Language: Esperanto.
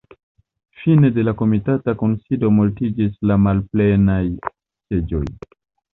Fine de la komitata kunsido multiĝis la malplenaj seĝoj.